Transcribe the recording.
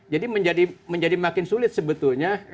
jadi menjadi makin sulit sebetulnya